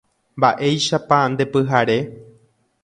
Mba'éichapa ndepyhare.